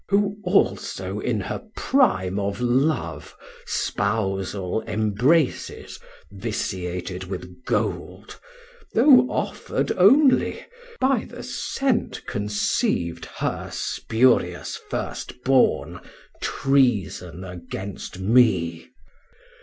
who also in her prime of love, Spousal embraces, vitiated with Gold, Though offer'd only, by the sent conceiv'd 390 Her spurious first born; Treason against me?